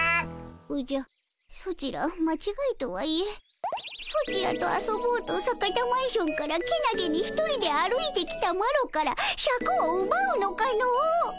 おじゃソチらまちがいとはいえソチらと遊ぼうと坂田マンションからけなげに一人で歩いてきたマロからシャクをうばうのかの。